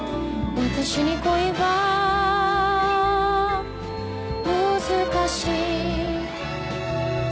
「私に恋は難しいや」